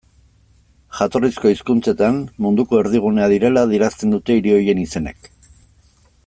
Jatorrizko hizkuntzetan, munduko erdigunea direla adierazten dute hiri horien izenek.